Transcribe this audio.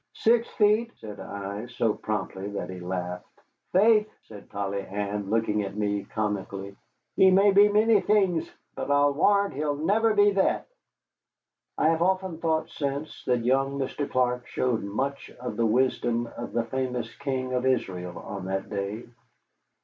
"Six feet," said I, so promptly that he laughed. "Faith," said Polly Ann, looking at me comically, "he may be many things, but I'll warrant he'll never be that." I have often thought since that young Mr. Clark showed much of the wisdom of the famous king of Israel on that day.